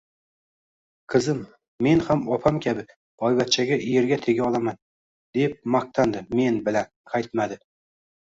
Qizim Men ham opam kabi boyvachchaga erga tega olaman, deb maqtandi, men bilan qaytmadi